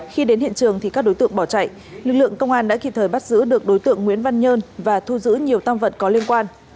khi đến hiện trường thì các đối tượng bỏ chạy lực lượng công an đã kịp thời bắt giữ được đối tượng nguyễn văn nhơn và thu giữ nhiều tam vật có liên quan